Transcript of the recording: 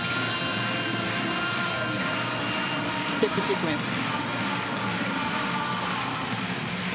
ステップシークエンス。